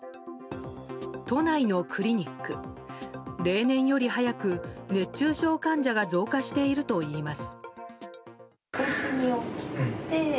都内のクリニック、例年より早く熱中症患者が増加しているといいます。